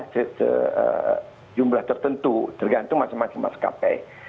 sejumlah tertentu tergantung masing masing maskapai